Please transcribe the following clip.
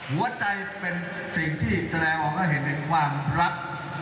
หัวใจเป็นสิ่งที่แสดงออกให้เห็นถึงความรัก